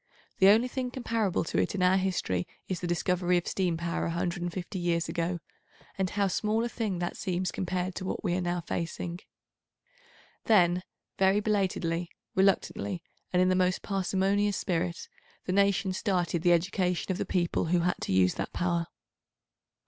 The only thing comparable to it in our history is the discovery of steam power 150 years ago, and how small a thing that seems compared to what we are now facing. Then very belatedly, reluctantly, and in the most parsimonious spirit, the nations started the education of the people who had to use that power.